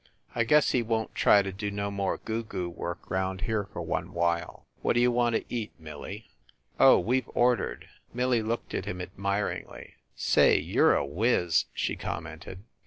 "I guess he won t try to do no more goo goo work round here for one while. What d you want to eat, Millie?" "Oh, we ve ordered." Millie looked at him ad miringly. "Say, you re a wiz," she commented.